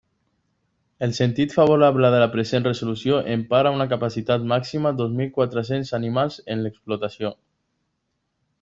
El sentit favorable de la present resolució empara una capacitat màxima dos mil quatre-cents animals en l'explotació.